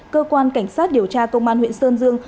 cơ quan cảnh sát điều tra công an huyện sơn dương